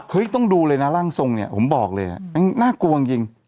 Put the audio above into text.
ต้องดูเลยนะร่างทรงเนี่ยผมบอกเลยน่ากลัวจริง